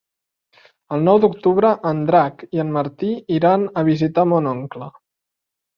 El nou d'octubre en Drac i en Martí iran a visitar mon oncle.